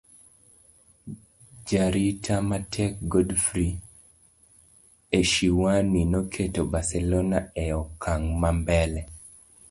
jaarita matek Godfrey Eshiwani noketo Barcelona e okang' ma mbele